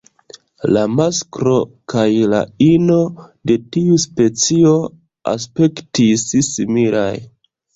La masklo kaj la ino de tiu specio aspektis similaj.